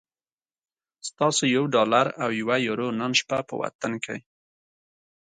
ستاسو یو ډالر او یوه یورو نن شپه په وطن کی